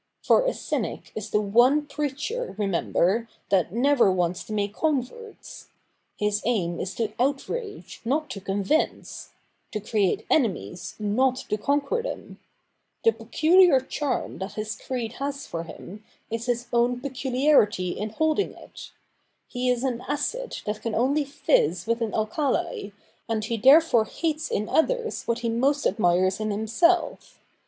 For a cynic is the one preacher, remember, that never wants to make converts. His aim is to outrage, not to convince : to create enemies, not to conquer them. The peculiar charm that his creed has for him, is his own peculiarity 12 THE NEW REPUBLIC [bk. i in holding it. He is an acid that can only fizz with an alkali, and he therefore hates in others what he most admires in himself.